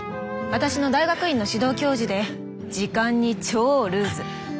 私の大学院の指導教授で時間に超ルーズ！